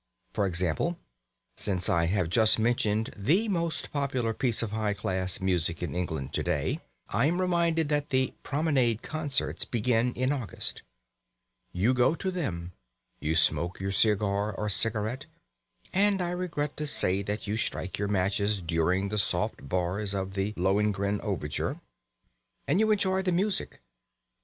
For example (since I have just mentioned the most popular piece of high class music in England to day), I am reminded that the Promenade Concerts begin in August. You go to them. You smoke your cigar or cigarette (and I regret to say that you strike your matches during the soft bars of the "Lohengrin" overture), and you enjoy the music.